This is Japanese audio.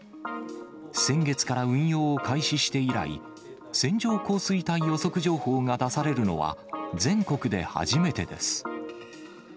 先月から運用を開始して以来、線状降水帯予測情報が出されるのは、全国で初めてです。